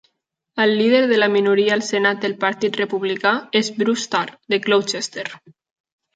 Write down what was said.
El líder de la minoria al Senat, del Partit Republicà, és Bruce Tarr, de Gloucester.